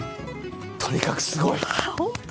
とにかくすごい！